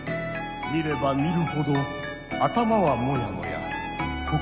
見れば見るほど頭はモヤモヤ心もモヤモヤ。